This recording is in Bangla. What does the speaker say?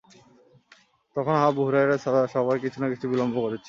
তখন আবু হুরাইরা ছাড়া সবাই কিছু না কিছু বিলম্ব করেছিল।